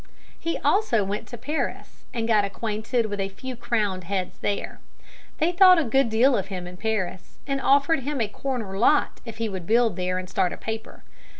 He also went to Paris, and got acquainted with a few crowned heads there. They thought a good deal of him in Paris, and offered him a corner lot if he would build there and start a paper.